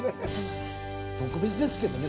特別ですけどね。